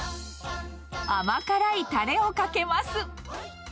甘辛いたれをかけます。